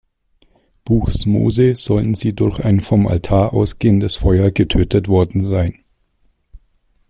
Buchs Mose sollen sie durch ein vom Altar ausgehendes Feuer getötet worden sein.